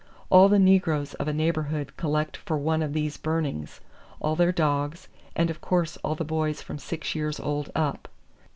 All the negroes of a neighborhood collect for one of these burnings, all their dogs, and of course all the boys from six years old up.